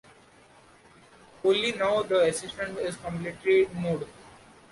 Only now the assistant is completely nude.